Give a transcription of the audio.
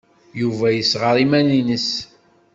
Yuba yessɣer iman-nnes.